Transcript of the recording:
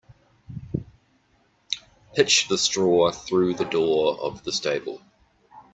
Pitch the straw through the door of the stable.